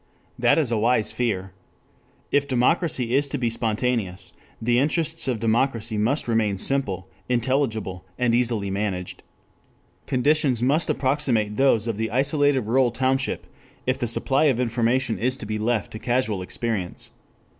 That is a wise fear. If democracy is to be spontaneous, the interests of democracy must remain simple, intelligible, and easily managed. Conditions must approximate those of the isolated rural township if the supply of information is to be left to casual experience.